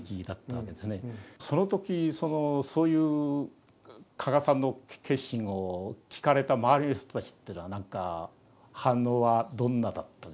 その時そのそういう加賀さんの決心を聞かれた周りの人たちっていうのはなんか反応はどんなだったでしょうか？